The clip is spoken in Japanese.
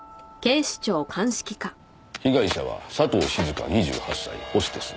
被害者は佐藤静香２８歳ホステス。